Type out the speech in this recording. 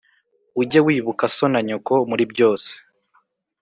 Ujye wibuka so na nyoko muri byose